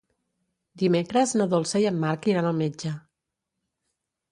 Dimecres na Dolça i en Marc iran al metge.